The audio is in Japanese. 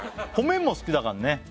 米も好きだからね